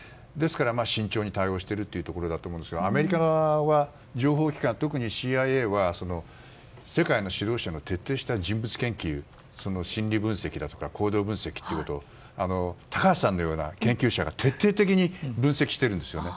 慎重に対応しているというところだと思いますがアメリカ側は情報機関特にＣＩＡは世界の指導者の徹底した人物研究心理分析とか行動分析を高橋さんのような研究者が徹底的に分析してるんですよね。